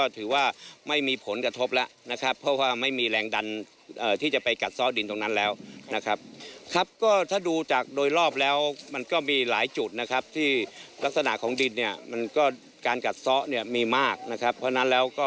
หากน้ำในสระแห่งนี้เพิ่มมากขึ้น